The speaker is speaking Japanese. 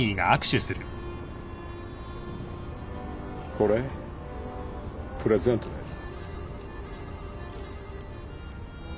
これプレゼントです。